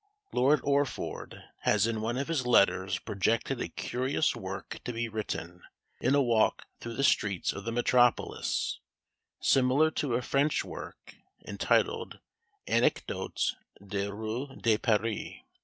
Lord Orford has in one of his letters projected a curious work to be written in a walk through the streets of the metropolis, similar to a French work, entitled "Anecdotes des Rues de Paris."